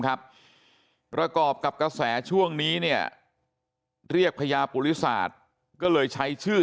ประกอบกับกระแสช่วงนี้เนี่ยเรียกพญาปุริศาสตร์ก็เลยใช้ชื่อ